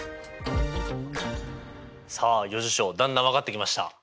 さあ余事象だんだん分かってきました。